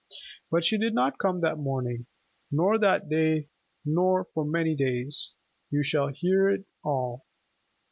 But she did not come that morning, nor that day, nor for many days. You shall hear it all.